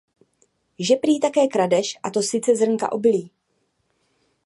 Že prý také kradeš, a to sice zrnka obilní.